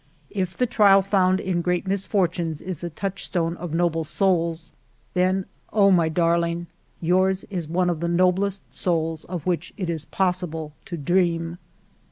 If the trial found in great misfortunes is the touchstone of noble souls, then, O my darling, yours is one of the noblest souls of which it is possible to dream.